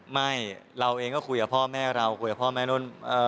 ไม่เราเองก็คุยกับพ่อแม่เราคุยกับพ่อแม่นุ่น